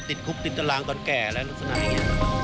ติดคุกติดตารางตอนแก่แล้วลักษณะอย่างนี้